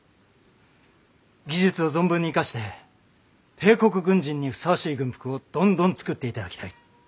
技術を存分に生かして帝国軍人にふさわしい軍服をどんどん作っていただきたい。